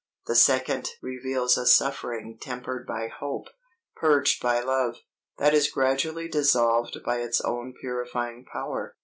The second reveals a suffering tempered by hope, purged by love, that is gradually dissolved by its own purifying power.